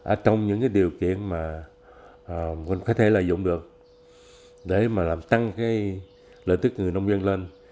ở trong những cái điều kiện mà mình có thể lợi dụng được để mà làm tăng lợi tức người nông dân lên